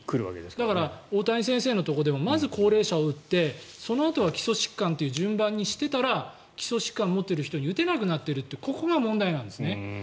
だから大谷先生のところでもまず高齢者を打ってそのあとは基礎疾患という順番にしていたら基礎疾患を持っている人に打てなくなっているというここが問題なんですね。